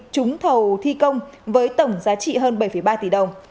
trúng thầu thi công với tổng giá trị hơn bảy ba tỷ đồng